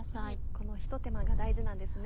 このひと手間が大事なんですね。